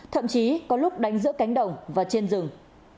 thậm chí có lúc đánh giữa cánh đồng và trên rừng